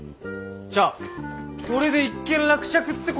じゃあこれで一件落着ってことっすね。